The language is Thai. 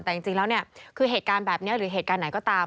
แต่จริงแล้วเนี่ยคือเหตุการณ์แบบนี้หรือเหตุการณ์ไหนก็ตาม